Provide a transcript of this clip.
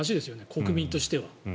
国民としては。